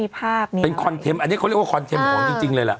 ภาพนี้เป็นคอนเทนต์อันนี้เขาเรียกว่าคอนเทมของจริงเลยล่ะ